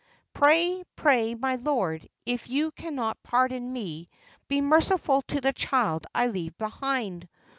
Pray, pray, my lord, if you cannot pardon me, be merciful to the child I leave behind.